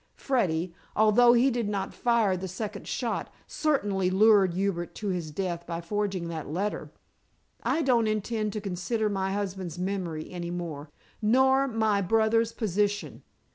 Freddy although he did not fire the second shot certainly lured Hubert to his death by forging that letter. I don't intend to consider my husband's memory any more, nor my brother's position.